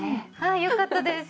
あよかったです！